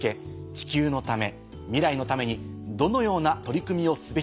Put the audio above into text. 地球のため未来のためにどのような取り組みをすべきか。